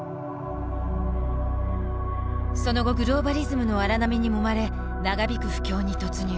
その後グローバリズムの荒波にもまれ長引く不況に突入。